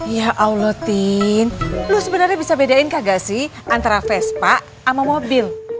ya allah tin lu sebenernya bisa bedain kagak sih antara vespa sama mobil